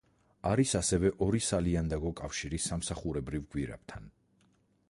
არის ასევე ორი სალიანდაგო კავშირი სამსახურებრივ გვირაბთან.